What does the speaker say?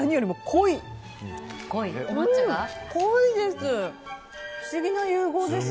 濃いです！